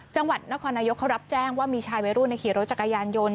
จังหวัดนครนายกเขารับแจ้งว่ามีชายวัยรุ่นในขี่รถจักรยานยนต์